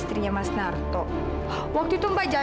tidak ada sosok untuk kau